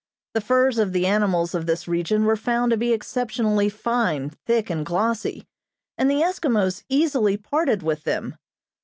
The furs of the animals of this region were found to be exceptionally fine, thick and glossy, and the Eskimos easily parted with them.